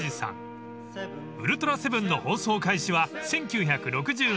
［『ウルトラセブン』の放送開始は１９６７年］